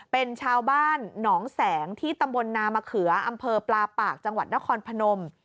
เป็นชาวบ้านหนองแสงที่ตำบลนามะเขืออำเภอปลาปากจังหวัดนครพนม